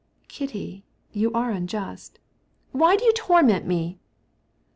"Kitty, you're unjust." "Why are you tormenting me?"